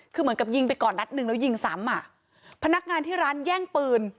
คือเหมือนกับยิงไปก่อนนัดหนึ่งแล้วยิงซ้ำอ่ะพนักงานที่ร้านแย่งปืน